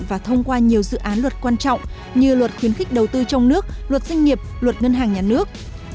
và thông qua nhiều dự án luật quan trọng như luật khuyến khích đầu tư trong nước luật doanh nghiệp luật ngân hàng nhà nước